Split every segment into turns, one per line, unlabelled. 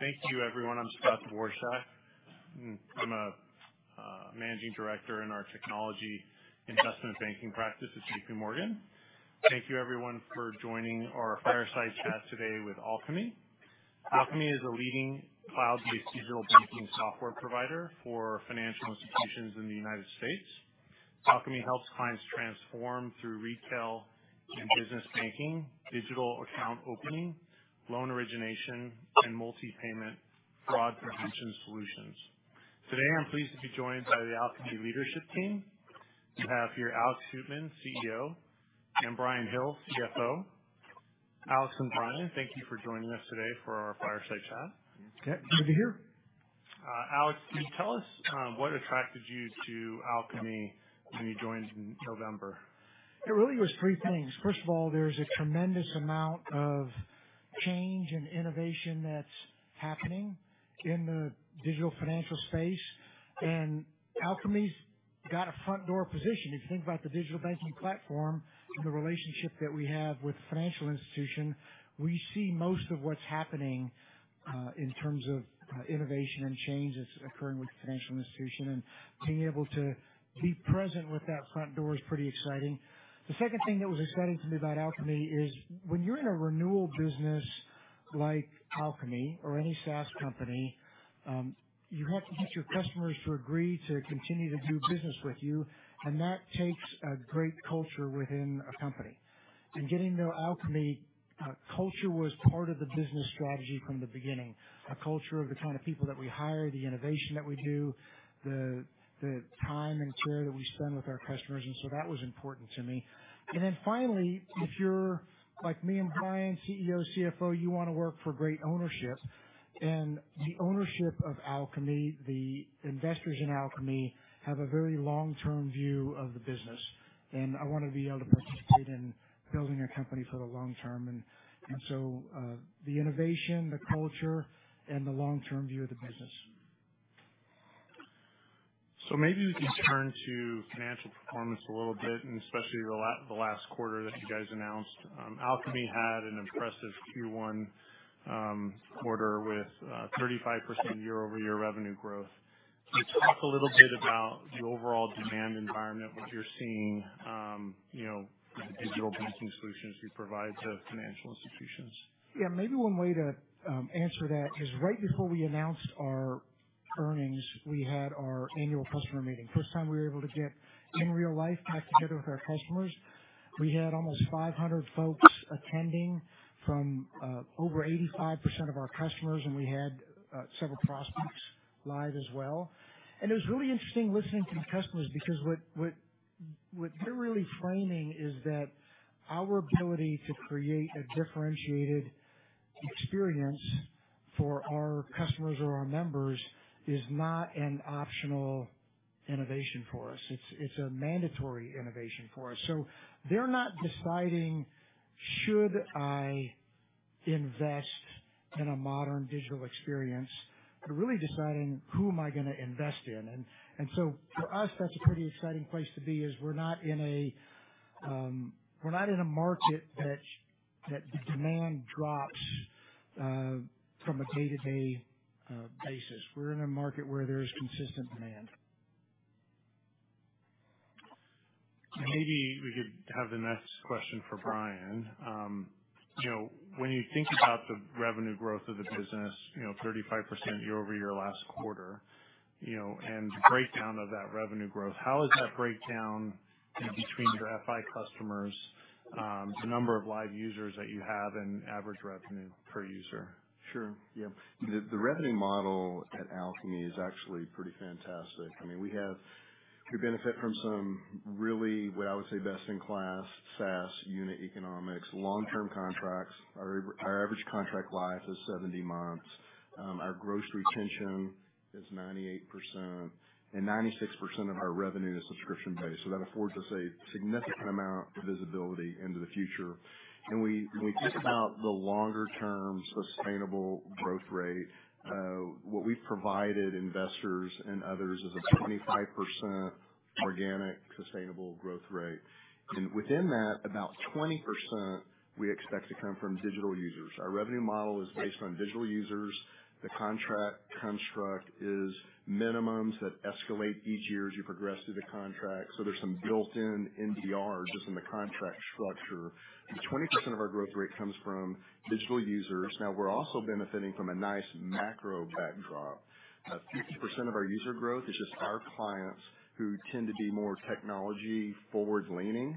Thank you everyone. I'm Scott Dworshak, and I'm a Managing Director in our Technology Investment Banking practice at J.P. Morgan. Thank you everyone for joining our Fireside Chat today with Alkami. Alkami is a leading cloud-based digital banking software provider for financial institutions in the United States. Alkami helps clients transform through retail and business banking, digital account opening, loan origination, and multi-payment fraud prevention solutions. Today, I'm pleased to be joined by the Alkami leadership team. We have here Alex Shootman, CEO, and Bryan Hill, CFO. Alex and Bryan, thank you for joining us today for our Fireside Chat.
Okay. Good to be here.
Alex, can you tell us what attracted you to Alkami when you joined in November?
It really was three things. First of all, there's a tremendous amount of change and innovation that's happening in the digital financial space, and Alkami's got a front door position. If you think about the digital banking platform and the relationship that we have with the financial institution, we see most of what's happening, in terms of, innovation and change that's occurring with the financial institution and being able to be present with that front door is pretty exciting. The second thing that was exciting to me about Alkami is when you're in a renewal business like Alkami or any SaaS company, you have to get your customers to agree to continue to do business with you, and that takes a great culture within a company. In getting to know Alkami, culture was part of the business strategy from the beginning. A culture of the kind of people that we hire, the innovation that we do, the time and care that we spend with our customers, and so that was important to me. Finally, if you're like me and Bryan, CEO, CFO, you wanna work for great ownership. The ownership of Alkami, the investors in Alkami have a very long-term view of the business, and I wanna be able to participate in building a company for the long term. The innovation, the culture, and the long-term view of the business.
Maybe we can turn to financial performance a little bit, and especially the last quarter that you guys announced. Alkami had an impressive Q1 quarter with 35% YoY revenue growth. Can you talk a little bit about the overall demand environment, what you're seeing, you know, in the digital banking solutions you provide to financial institutions?
Yeah. Maybe one way to answer that is right before we announced our earnings, we had our annual customer meeting. First time we were able to get, in real life, back together with our customers. We had almost 500 folks attending from over 85% of our customers, and we had several prospects live as well. It was really interesting listening to the customers because what they're really framing is that our ability to create a differentiated experience for our customers or our members is not an optional innovation for us. It's a mandatory innovation for us. They're not deciding should I invest in a modern digital experience, but really deciding who am I gonna invest in. For us, that's a pretty exciting place to be. We're not in a market that the demand drops from a day-to-day basis. We're in a market where there is consistent demand.
Maybe we could have the next question for Bryan. You know, when you think about the revenue growth of the business, you know, 35% YoY last quarter, you know, and breakdown of that revenue growth, how is that breakdown, you know, between your FI customers, the number of live users that you have and average revenue per user?
Sure. Yeah. The revenue model at Alkami is actually pretty fantastic. I mean, we have. We benefit from some really what I would say best-in-class SaaS unit economics, long-term contracts. Our average contract life is 70 months. Our gross retention is 98%, and 96% of our revenue is subscription-based. That affords us a significant amount of visibility into the future. We, when we think about the longer-term sustainable growth rate, what we've provided investors and others is a 25% organic sustainable growth rate. Within that, about 20% we expect to come from digital users. Our revenue model is based on digital users. The contract construct is minimums that escalate each year as you progress through the contract. There's some built-in NDR just in the contract structure. 20% of our growth rate comes from digital users. We're also benefiting from a nice macro backdrop. 50% of our user growth is just our clients who tend to be more technology forward-leaning.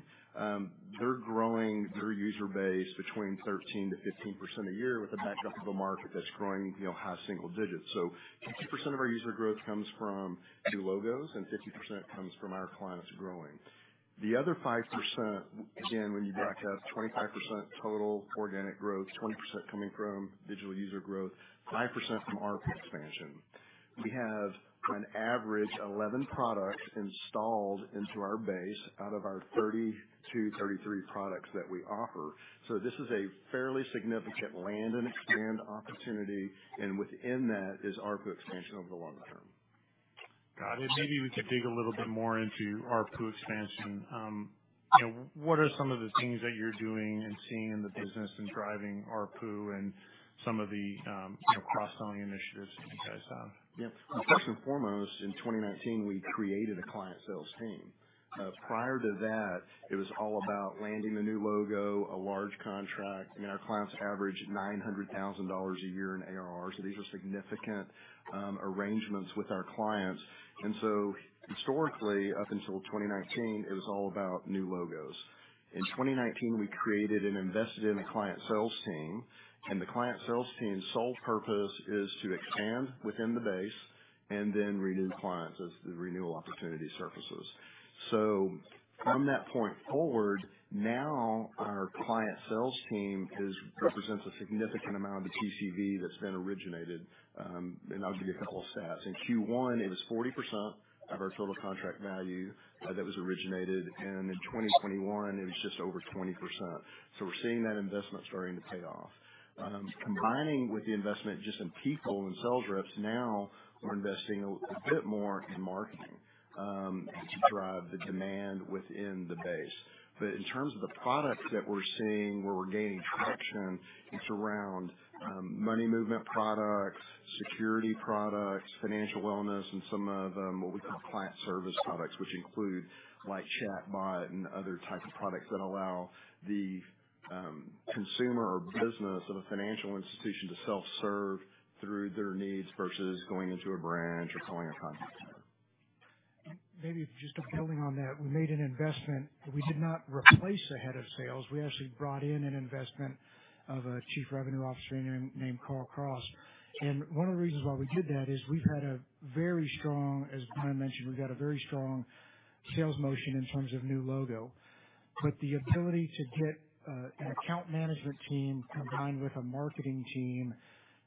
They're growing their user base between 13%-15% a year with the backdrop of a market that's growing, you know, high single digits. 50% of our user growth comes from new logos, and 50% comes from our clients growing. The other 5%, again, when you back out 25% total organic growth, 20% coming from digital user growth, 5% from [ARPU] expansion. We have on average 11 products installed into our base out of our 32, 33 products that we offer. This is a fairly significant land and expand opportunity, and within that is [ARPU] expansion over the long term.
Got it. Maybe we could dig a little bit more into ARPU expansion. You know, what are some of the things that you're doing and seeing in the business and driving ARPU and some of the, you know, cross-selling initiatives that you guys have?
Yeah. First and foremost, in 2019 we created a client sales team. Prior to that, it was all about landing the new logo, a large contract. You know, our clients average $900,000 a year in ARR, so these are significant arrangements with our clients. Historically, up until 2019, it was all about new logos. In 2019, we created and invested in a client sales team, and the client sales team's sole purpose is to expand within the base and then renew clients as the renewal opportunity surfaces. From that point forward, now our client sales team represents a significant amount of the TCV that's been originated. And I'll give you a couple of stats. In Q1, it was 40% of our total contract value that was originated, and in 2021 it was just over 20%. We're seeing that investment starting to pay off. Combining with the investment just in people and sales reps, now we're investing a bit more in marketing to drive the demand within the base. But in terms of the products that we're seeing where we're gaining traction, it's around money movement products, security products, financial wellness, and some of what we call client service products, which include like chatbot and other types of products that allow the consumer or business of a financial institution to self-serve through their needs versus going into a branch or calling a contact center.
Maybe just building on that, we made an investment. We did not replace the head of sales. We actually brought in an investment of a Chief Revenue Officer named Carl Cross. One of the reasons why we did that is we've had a very strong, as Bryan mentioned, we've got a very strong sales motion in terms of new logo. The ability to get an account management team combined with a marketing team,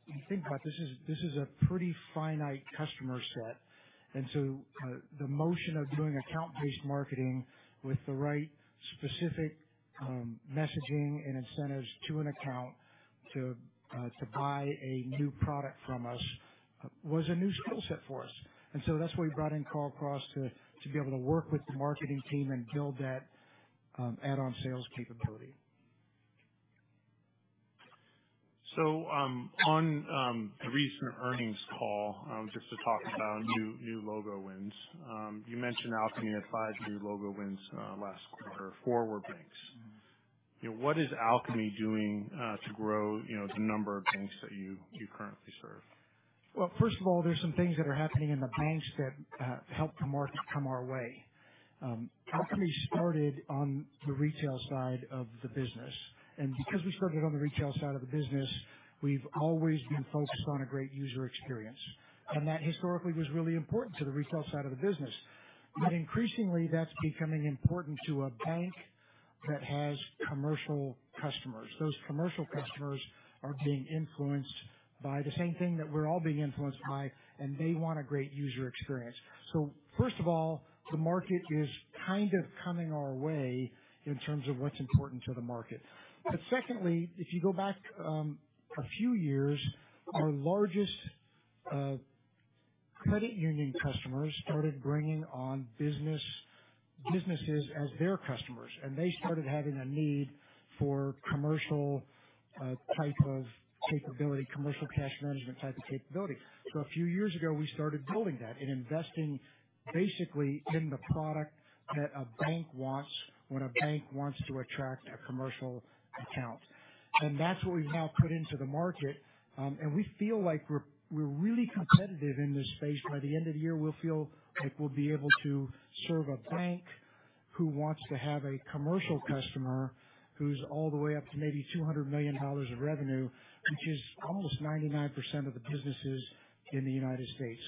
when you think about it, this is a pretty finite customer set. The motion of doing account-based marketing with the right specific messaging and incentives to an account to buy a new product from us was a new skill set for us. That's why we brought in Carl Cross to be able to work with the marketing team and build that add-on sales capability.
On the recent earnings call, just to talk about new logo wins, you mentioned Alkami had 5 new logo wins last quarter, 4 were banks. You know, what is Alkami doing to grow, you know, the number of banks that you currently serve?
Well, first of all, there's some things that are happening in the banks that help the market come our way. Alkami started on the retail side of the business. Because we started on the retail side of the business, we've always been focused on a great user experience. That historically was really important to the retail side of the business. Increasingly, that's becoming important to a bank that has commercial customers. Those commercial customers are being influenced by the same thing that we're all being influenced by, and they want a great user experience. First of all, the market is kind of coming our way in terms of what's important to the market. Secondly, if you go back a few years, our largest credit union customers started bringing on business, businesses as their customers, and they started having a need for commercial type of capability, commercial cash management type of capability. A few years ago, we started building that and investing basically in the product that a bank wants when a bank wants to attract a commercial account. That's what we've now put into the market. We feel like we're really competitive in this space. By the end of the year, we'll feel like we'll be able to serve a bank who wants to have a commercial customer who's all the way up to maybe $200 million of revenue, which is almost 99% of the businesses in the United States.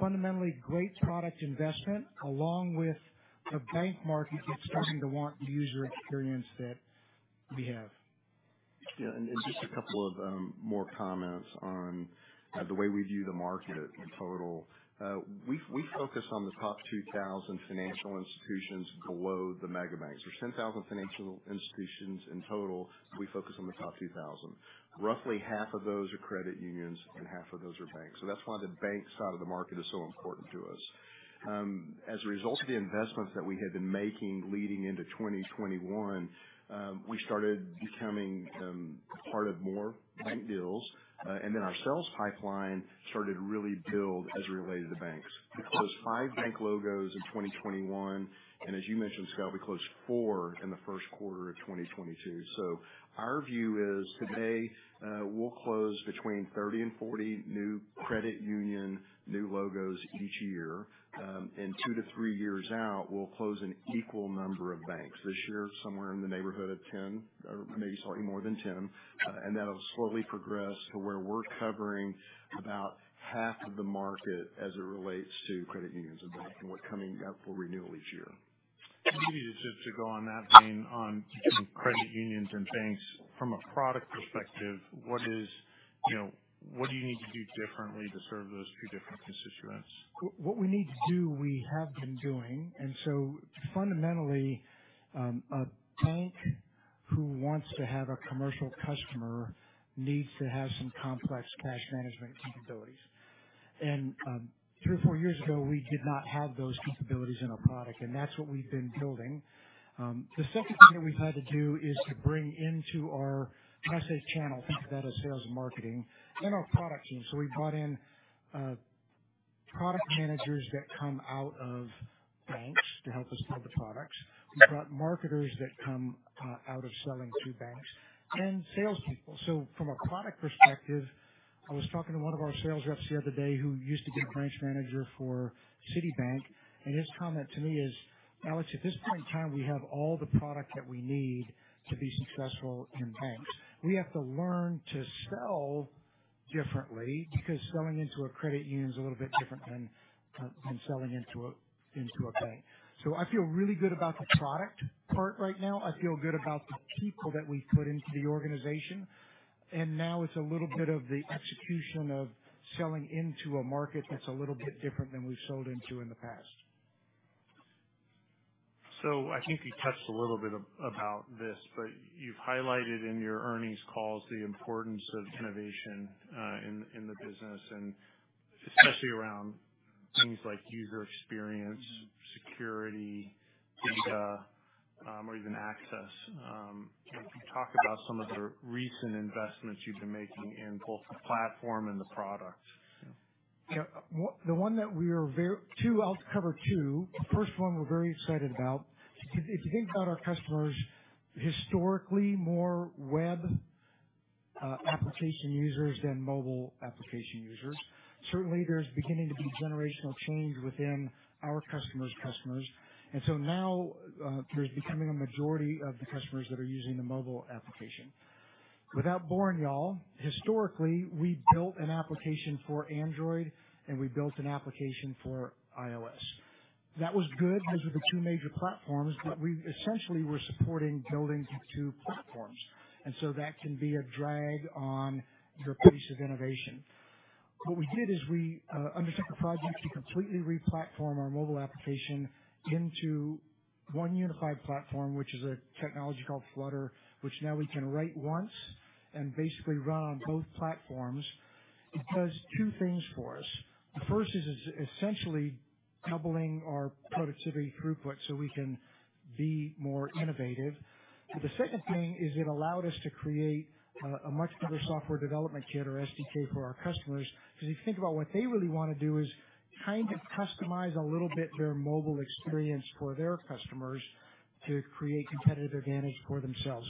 Fundamentally great product investment along with the bank market that's starting to want the user experience that we have.
Just a couple of more comments on the way we view the market in total. We focus on the top 2,000 financial institutions below the mega banks. There's 10,000 financial institutions in total. We focus on the top 2,000. Roughly half of those are credit unions and half of those are banks. That's why the bank side of the market is so important to us. As a result of the investments that we had been making leading into 2021, we started becoming part of more bank deals. Then our sales pipeline started to really build as it related to banks. We closed five bank logos in 2021, and as you mentioned, Scott, we closed four in the first quarter of 2022. Our view is today, we'll close between 30 and 40 new credit union new logos each year. 2-3 years out, we'll close an equal number of banks. This year, somewhere in the neighborhood of 10 or maybe slightly more than 10. That'll slowly progress to where we're covering about half of the market as it relates to credit unions and banks and what's coming up for renewal each year.
Maybe just to go on that, [lane on], and between credit unions and banks from a product perspective, you know, what do you need to do differently to serve those two different constituents?
What we need to do, we have been doing. Fundamentally, a bank who wants to have a commercial customer needs to have some complex cash management capabilities. 3 or 4 years ago, we did not have those capabilities in our product, and that's what we've been building. The second thing that we've had to do is to bring into our message channel, think of that as sales and marketing, and our product team. We brought in product managers that come out of banks to help us sell the products. We brought marketers that come out of selling to banks and salespeople. From a product perspective, I was talking to one of our sales reps the other day who used to be a branch manager for Citibank, and his comment to me is, "Alex, at this point in time, we have all the product that we need to be successful in banks. We have to learn to sell differently because selling into a credit union is a little bit different than selling into a bank." I feel really good about the product part right now. I feel good about the people that we've put into the organization, and now it's a little bit of the execution of selling into a market that's a little bit different than we've sold into in the past.
I think you touched a little bit about this, but you've highlighted in your earnings calls the importance of innovation, in the business and especially around things like user experience, security, data, or even access. Can you talk about some of the recent investments you've been making in both the platform and the products?
Two, I'll cover two. The first one we're very excited about. If you think about our customers historically, more web application users than mobile application users. Certainly, there's beginning to be generational change within our customers' customers. Now, there's becoming a majority of the customers that are using the mobile application. Without boring y'all, historically, we built an application for Android, and we built an application for iOS. That was good. Those were the two major platforms, but we essentially were supporting building two platforms. That can be a drag on your pace of innovation. What we did is we undertook a project to completely re-platform our mobile application into one unified platform, which is a technology called Flutter, which now we can write once and basically run on both platforms. It does two things for us. The first is essentially doubling our productivity throughput so we can be more innovative. The second thing is it allowed us to create a much better software development kit or SDK for our customers. Because if you think about what they really want to do is kind of customize a little bit their mobile experience for their customers to create competitive advantage for themselves.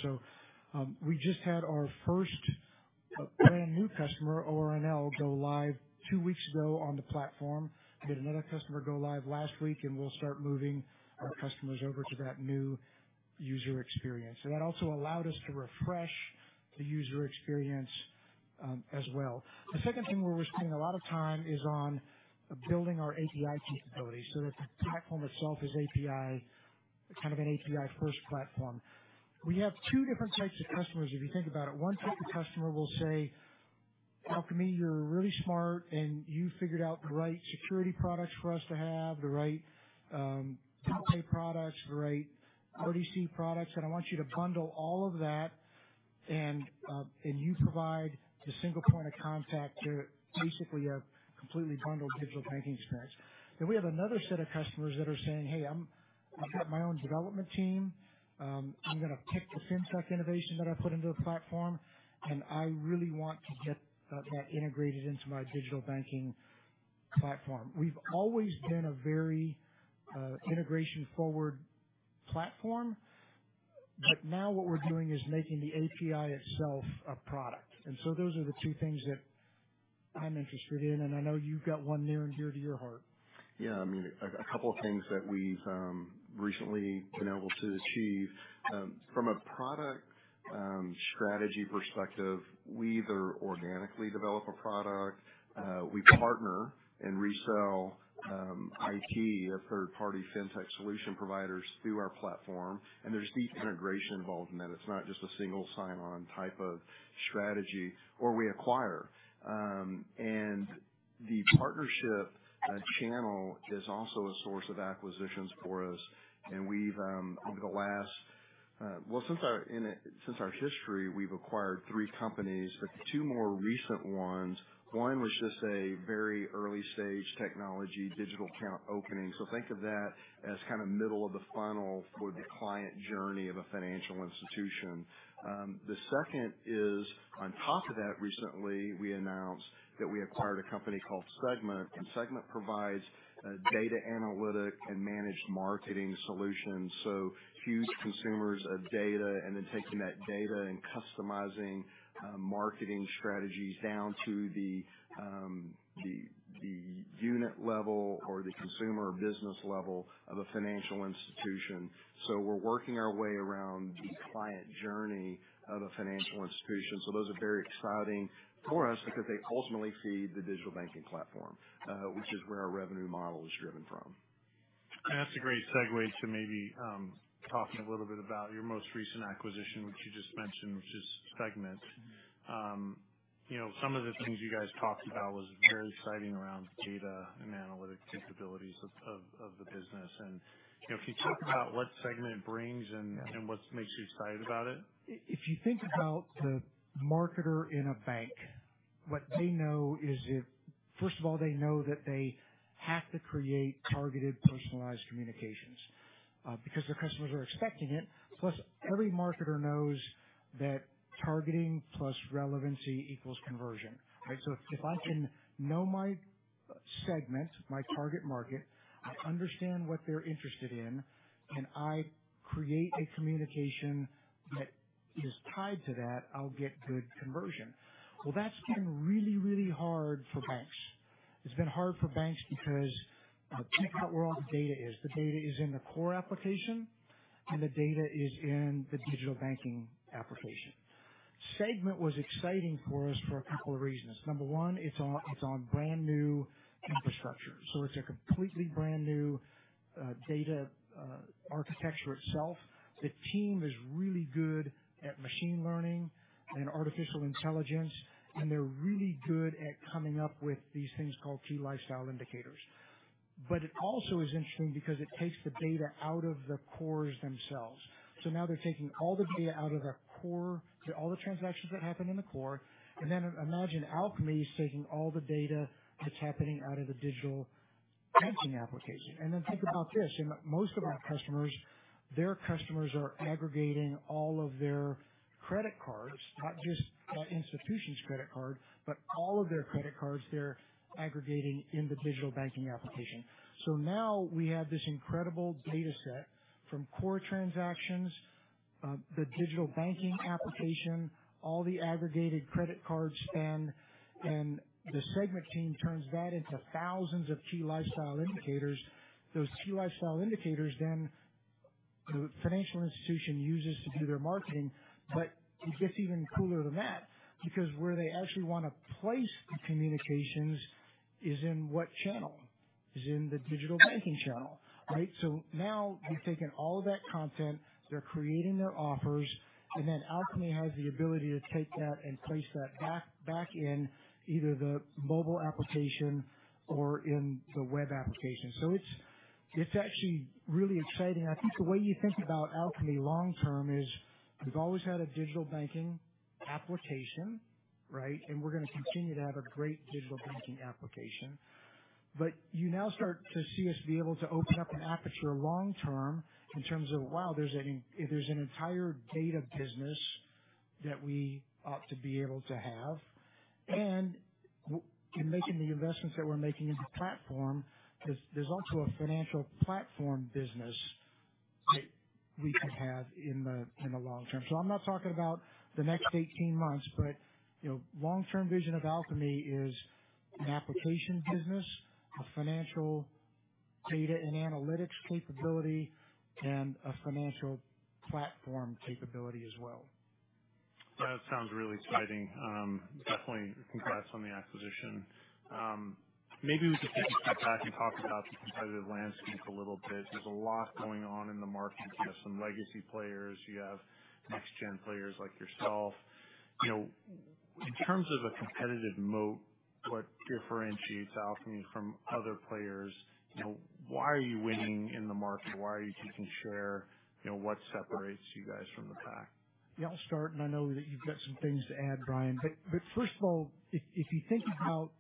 We just had our first brand new customer, ORNL, go live two weeks ago on the platform. We had another customer go live last week, and we'll start moving our customers over to that new user experience. That also allowed us to refresh the user experience as well. The second thing where we're spending a lot of time is on building our API capabilities so that the platform itself is API, kind of an API-first platform. We have two different types of customers if you think about it. One type of customer will say, "Alkami, you're really smart, and you figured out the right security products for us to have, the right, pay products, the right RDC products, and I want you to bundle all of that. And you provide the single point of contact to basically a completely bundled digital banking experience." Then we have another set of customers that are saying, "Hey, I've got my own development team. I'm gonna pick the FinTech innovation that I put into a platform, and I really want to get that integrated into my digital banking platform." We've always been a very integration-forward platform, but now what we're doing is making the API itself a product. Those are the two things that I'm interested in, and I know you've got one near and dear to your heart.
Yeah. I mean, a couple of things that we've recently been able to achieve. From a product strategy perspective, we either organically develop a product, we partner and resell, IT or third-party FinTech solution providers through our platform, and there's deep integration involved in that. It's not just a single sign-on type of strategy, or we acquire. The partnership channel is also a source of acquisitions for us. Since our history, we've acquired three companies, but the two more recent ones, one was just a very early-stage technology digital account opening. Think of that as kind of middle of the funnel for the client journey of a financial institution. The second is on top of that, recently, we announced that we acquired a company called Segmint, and Segmint provides data analytics and managed marketing solutions, so huge consumers of data and then taking that data and customizing marketing strategies down to the unit level or the consumer business level of a financial institution. We're working our way around the client journey of a financial institution. Those are very exciting for us because they ultimately feed the digital banking platform, which is where our revenue model is driven from.
That's a great segue to maybe talking a little bit about your most recent acquisition, which you just mentioned, which is Segmint. You know, some of the things you guys talked about was very exciting around data and analytic capabilities of the business. You know, can you talk about what Segmint brings and what makes you excited about it?
If you think about the marketer in a bank. What they know is first of all, they know that they have to create targeted, personalized communications because their customers are expecting it. Plus, every marketer knows that targeting plus relevancy equals conversion, right? So if I can know my segment, my target market, I understand what they're interested in, and I create a communication that is tied to that, I'll get good conversion. Well, that's been really hard for banks. It's been hard for banks because think about where all the data is. The data is in the core application, and the data is in the digital banking application. Segmint was exciting for us for a couple of reasons. Number one, it's on brand-new infrastructure, so it's a completely brand-new data architecture itself. The team is really good at machine learning and artificial intelligence, and they're really good at coming up with these things called Key Lifestyle Indicators. It also is interesting because it takes the data out of the cores themselves. Now they're taking all the data out of the core to all the transactions that happen in the core, and then imagine Alkami is taking all the data that's happening out of the digital banking application. Think about this, in most of our customers, their customers are aggregating all of their credit cards, not just that institution's credit card, but all of their credit cards, they're aggregating in the digital banking application. Now we have this incredible data set from core transactions, the digital banking application, all the aggregated credit card spend, and the Segmint team turns that into thousands of Key Lifestyle Indicators. Those Key Lifestyle Indicators then the financial institution uses to do their marketing. It gets even cooler than that because where they actually wanna place the communications is in what channel? In the digital banking channel, right? Now they've taken all of that content, they're creating their offers, and then Alkami has the ability to take that and place that back in either the mobile application or in the web application. It's actually really exciting. I think the way you think about Alkami long term is we've always had a digital banking application, right? We're gonna continue to have a great digital banking application. You now start to see us be able to open up an aperture long term in terms of, wow, there's an entire data business that we ought to be able to have. In making the investments that we're making in the platform, there's also a financial platform business that we could have in the long term. I'm not talking about the next 18 months, but you know, long-term vision of Alkami is an application business, a financial data and analytics capability, and a financial platform capability as well.
That sounds really exciting. Definitely congrats on the acquisition. Maybe we could take a step back and talk about the competitive landscape a little bit. There's a lot going on in the market. You have some legacy players. You have next gen players like yourself. You know, in terms of a competitive moat, what differentiates Alkami from other players? You know, why are you winning in the market? Why are you taking share? You know, what separates you guys from the pack?
Yeah, I'll start, and I know that you've got some things to add, Bryan. First of all, if you think about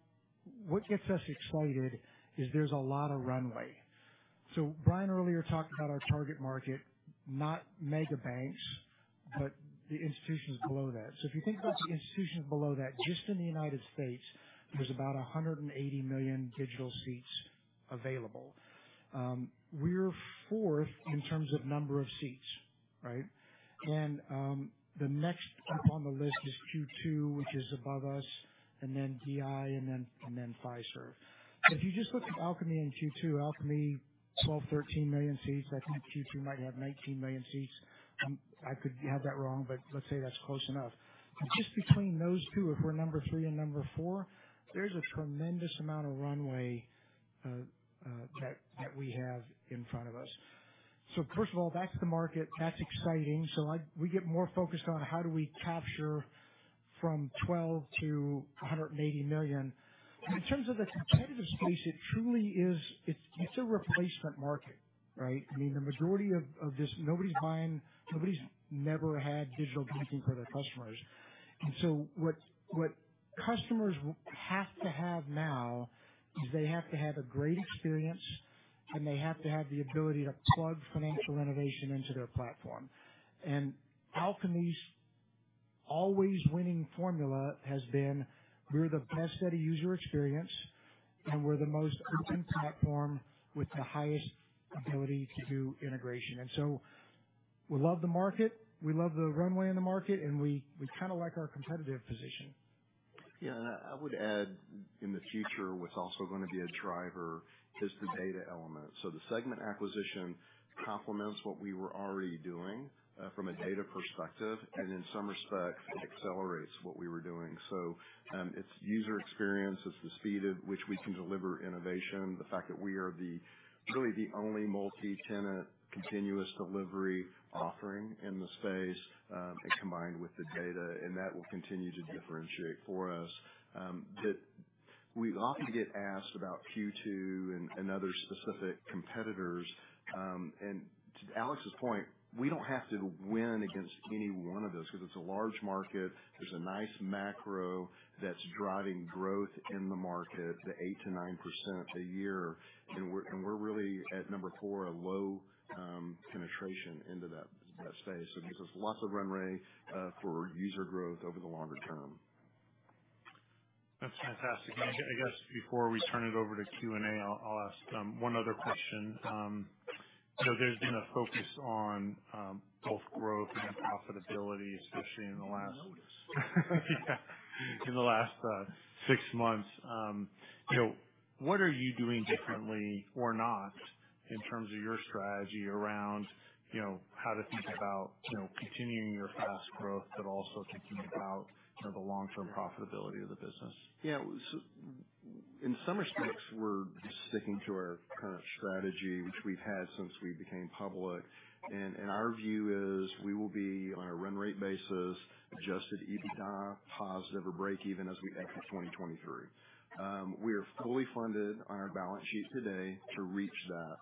what gets us excited is there's a lot of runway. Bryan earlier talked about our target market, not mega banks, but the institutions below that. If you think about the institutions below that, just in the United States, there's about 180 million digital seats available. We're fourth in terms of number of seats, right? The next on the list is Q2, which is above us, and then DI and then Fiserv. If you just look at Alkami and Q2, Alkami, 12, 13 million seats. I think Q2 might have 19 million seats. I could have that wrong, but let's say that's close enough. Just between those two, if we're number three and number four, there's a tremendous amount of runway that we have in front of us. First of all, back to the market. That's exciting. We get more focused on how do we capture from 12 million-180 million. In terms of the competitive space, it truly is. It's a replacement market, right? I mean, the majority of this, nobody's buying. Nobody's never had digital banking for their customers. What customers have to have now is they have to have a great experience, and they have to have the ability to plug financial innovation into their platform. Alkami's always winning formula has been we're the best at a user experience, and we're the most open platform with the highest ability to do integration. We love the market, we love the runway in the market, and we kinda like our competitive position.
Yeah. I would add in the future what's also gonna be a driver is the data element. The Segmint acquisition complements what we were already doing from a data perspective. In some respects it accelerates what we were doing. It's user experience, it's the speed at which we can deliver innovation. The fact that we are really the only multi-tenant continuous delivery offering in the space, and combined with the data, and that will continue to differentiate for us. We often get asked about Q2 and other specific competitors. To Alex's point, we don't have to win against any one of those because it's a large market. There's a nice macro that's driving growth in the market to 8%-9% a year. We're really at number four, a low penetration into that space. It gives us lots of run rate for user growth over the longer term.
That's fantastic. I guess before we turn it over to Q&A, I'll ask one other question. You know, there's been a focus on both growth and profitability, especially in the last In the last six months, you know, what are you doing differently or not in terms of your strategy around, you know, how to think about, you know, continuing your fast growth, but also thinking about sort of the long-term profitability of the business?
Yeah. In some respects, we're sticking to our kind of strategy, which we've had since we became public. Our view is we will be on a run rate basis, Adjusted EBITDA positive or break-even as we enter 2023. We are fully funded on our balance sheet today to reach that.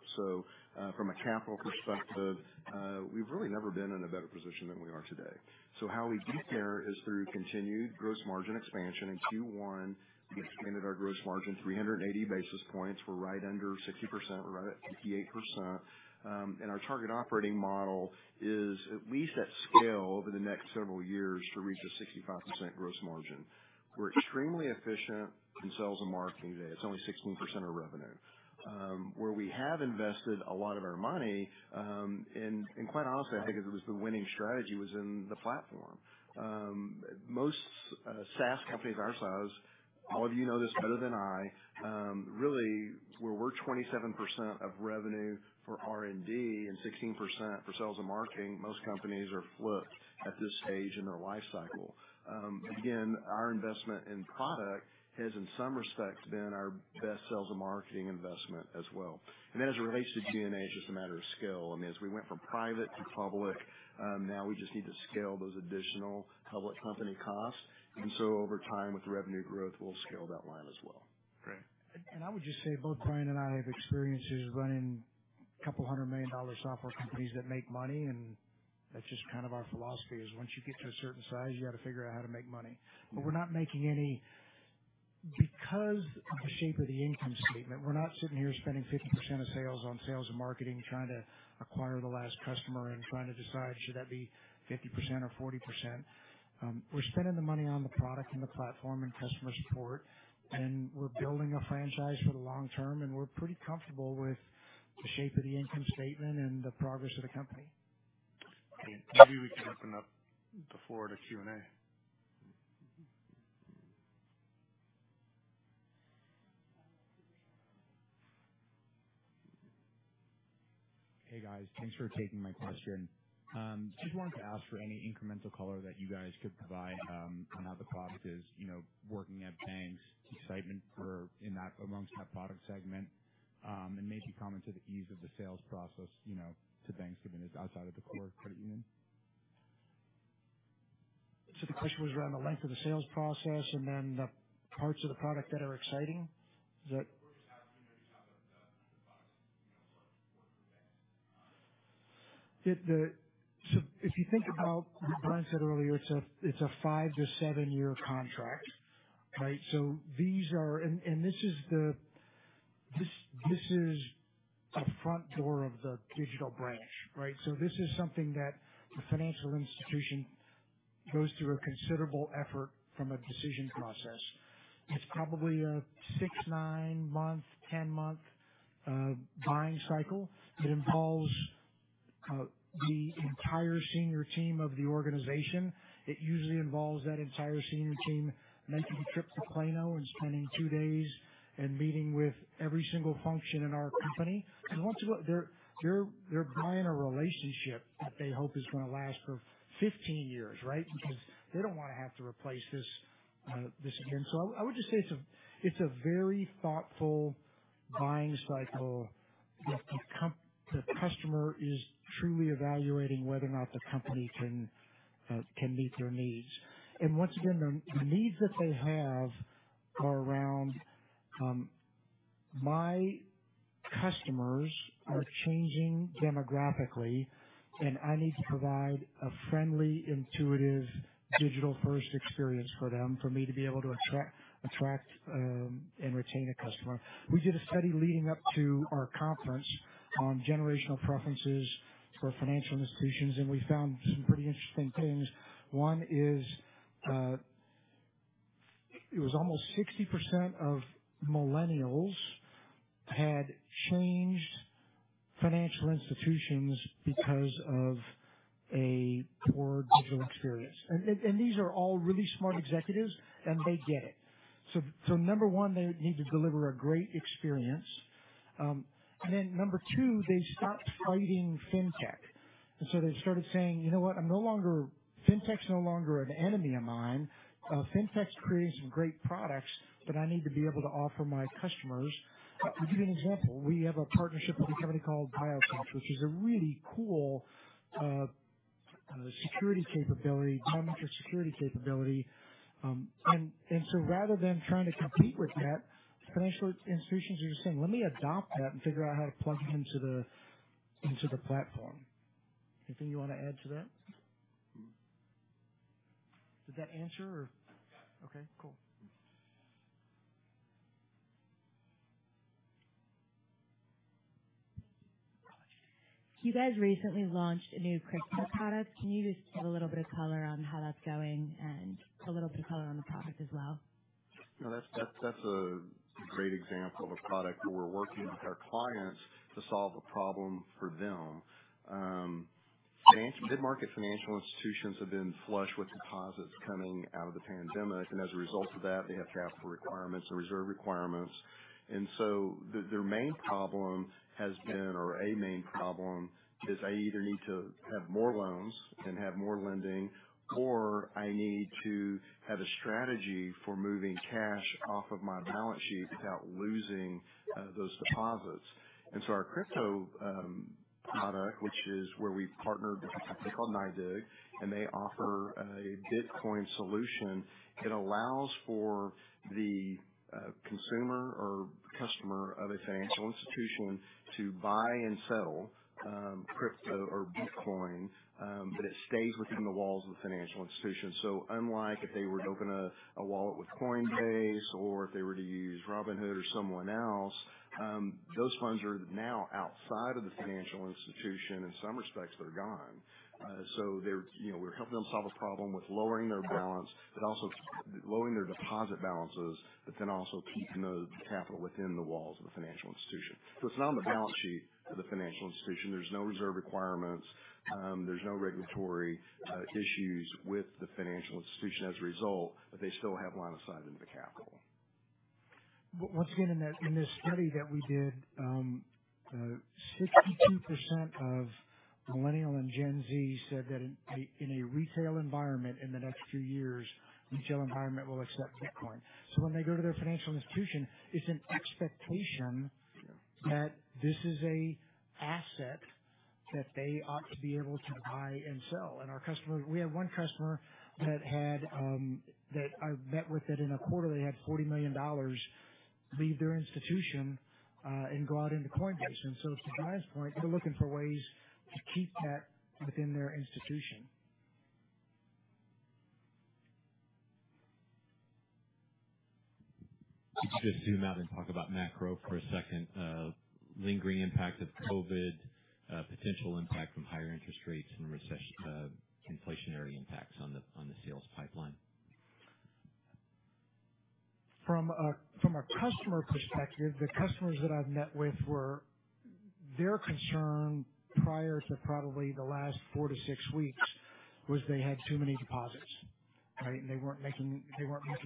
From a capital perspective, we've really never been in a better position than we are today. How we get there is through continued gross margin expansion. In Q1, we expanded our gross margin 380 basis points. We're right under 60%. We're right at 58%. Our target operating model is at least at scale over the next several years to reach a 65% gross margin. We're extremely efficient in sales and marketing today. It's only 16% of revenue. Where we have invested a lot of our money, and quite honestly, I think it was the winning strategy in the platform. Most SaaS companies our size, all of you know this better than I, really we're 27% of revenue for R&D and 16% for sales and marketing, most companies are flipped at this stage in their life cycle. Again, our investment in product has in some respects been our best sales and marketing investment as well. As it relates to G&A, it's just a matter of scale. I mean, as we went from private to public, now we just need to scale those additional public company costs. Over time, with revenue growth, we'll scale that line as well.
Great.
I would just say both Bryan and I have experiences running a couple $100 million-dollar software companies that make money, and that's just kind of our philosophy is once you get to a certain size, you got to figure out how to make money. We're not making any. Because of the shape of the income statement, we're not sitting here spending 50% of sales on sales and marketing, trying to acquire the last customer and trying to decide should that be 50% or 40%. We're spending the money on the product and the platform and customer support, and we're building a franchise for the long term, and we're pretty comfortable with the shape of the income statement and the progress of the company.
Okay. Maybe we can open up the floor to Q&A.
Hey, guys. Thanks for taking my question. Just wanted to ask for any incremental color that you guys could provide, on how the product is, you know, working at banks, excitement for in that amongst that product segment, and maybe comment on the ease of the sales process, you know, to banks given it's outside of the core credit union.
The question was around the length of the sales process and then the parts of the product that are exciting. Is that?
We're just asking, you know, you talk about the products, you know, so what's next?
So if you think about what Bryan said earlier, it's a 5-7-year contract, right? These are. This is the front door of the digital branch, right? This is something that the financial institution goes through a considerable effort from a decision process. It's probably a 6- to 9- to 10-month buying cycle. It involves the entire senior team of the organization. It usually involves that entire senior team making the trip to Plano and spending two days and meeting with every single function in our company. Once again, they're buying a relationship that they hope is gonna last for 15 years, right? Because they don't want to have to replace this again. I would just say it's a very thoughtful buying cycle that the customer is truly evaluating whether or not the company can meet their needs. Once again, the needs that they have are around my customers are changing demographically, and I need to provide a friendly, intuitive digital-first experience for them for me to be able to attract and retain a customer. We did a study leading up to our conference on generational preferences for financial institutions, and we found some pretty interesting things. One is, it was almost 60% of Millennials had changed financial institutions because of a poor digital experience. These are all really smart executives, and they get it. Number one, they need to deliver a great experience. Number two, they stopped fighting FinTech. They started saying, "You know what? FinTech's no longer an enemy of mine. FinTech's creating some great products that I need to be able to offer my customers." To give you an example, we have a partnership with a company called BioCatch, which is a really cool security capability, biometric security capability. Rather than trying to compete with that, financial institutions are just saying, "Let me adopt that and figure out how to plug it into the platform." Anything you want to add to that?
Mm-mm.
Did that answer?
Yeah.
Okay, cool.
You guys recently launched a new crypto product. Can you just give a little bit of color on how that's going and a little bit of color on the product as well?
No, that's a great example of a product where we're working with our clients to solve a problem for them. Mid-market financial institutions have been flush with deposits coming out of the pandemic, and as a result of that, they have capital requirements and reserve requirements. Their main problem has been, or a main problem, is I either need to have more loans and have more lending, or I need to have a strategy for moving cash off of my balance sheet without losing those deposits. Our crypto product, which is where we've partnered with a company called NYDIG, and they offer a Bitcoin solution. It allows for the consumer or customer of a financial institution to buy and sell crypto or Bitcoin, but it stays within the walls of the financial institution. Unlike if they were to open a wallet with Coinbase or if they were to use Robinhood or someone else, those funds are now outside of the financial institution. In some respects, they're gone. You know, we're helping them solve a problem with lowering their balance, but also lowering their deposit balances, but then also keeping the capital within the walls of the financial institution. It's not on the balance sheet of the financial institution. There's no reserve requirements. There's no regulatory issues with the financial institution as a result, but they still have line of sight into the capital.
Once again, in this study that we did, 62% of Millennials and Gen Z said that in a retail environment in the next few years, retail environment will accept Bitcoin. When they go to their financial institution, it's an expectation.
Yeah.
that this is an asset that they ought to be able to buy and sell. Our customer, we have one customer that I met with that in a quarter, they had $40 million leave their institution, and go out into Coinbase. To Bryan's point, they're looking for ways to keep that within their institution.
Let's just zoom out and talk about macro for a second. Lingering impact of COVID, potential impact from higher interest rates and inflationary impacts on the sales pipeline.
From a customer perspective, the customers that I've met with were. Their concern prior to probably the last 4-6 weeks was they had too many deposits, right? They weren't making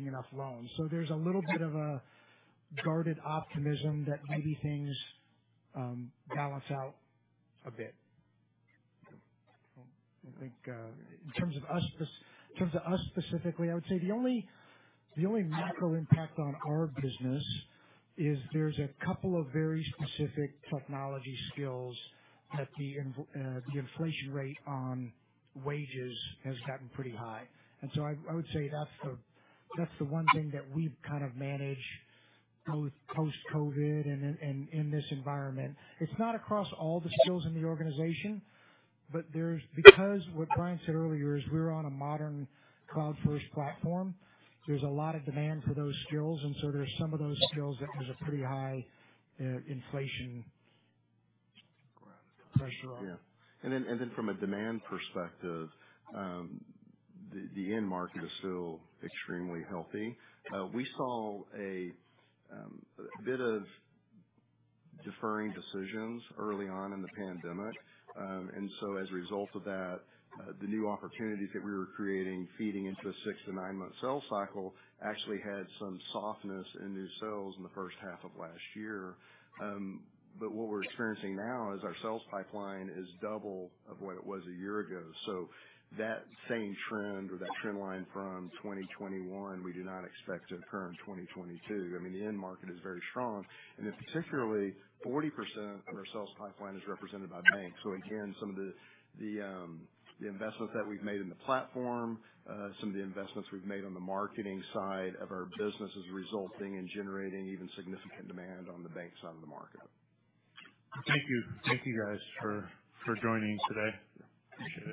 enough loans. There's a little bit of a guarded optimism that maybe things balance out a bit. I think, in terms of us specifically, I would say the only macro impact on our business is there's a couple of very specific technology skills that the inflation rate on wages has gotten pretty high. I would say that's the one thing that we've kind of managed both post-COVID and in this environment. It's not across all the skills in the organization, but because what Bryan said earlier is we're on a modern cloud-first platform, there's a lot of demand for those skills. There's some of those skills that there's a pretty high inflation pressure on.
From a demand perspective, the end market is still extremely healthy. We saw a bit of deferring decisions early on in the pandemic. As a result of that, the new opportunities that we were creating feeding into the 6-9-month sales cycle actually had some softness in new sales in the first half of last year. What we're experiencing now is our sales pipeline is double of what it was a year ago. That same trend or that trend line from 2021, we do not expect to occur in 2022. I mean, the end market is very strong, particularly 40% of our sales pipeline is represented by banks. Again, some of the investments that we've made in the platform, some of the investments we've made on the marketing side of our business is resulting in generating even significant demand on the bank side of the market.
Thank you, guys, for joining today.
Appreciate it.